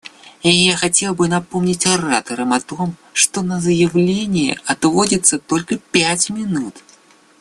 Я хотел бы напомнить ораторам о том, что на заявления отводится только пять минут.